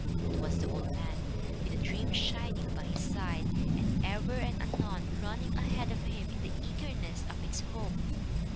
It was the old man, with the dream shining by his side, and ever and anon running ahead of him in the eagerness of its hope.